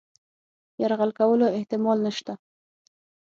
یرغل کولو احتمال نسته.